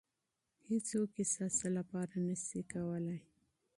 هېڅوک یې ستاسې لپاره نشي کولی.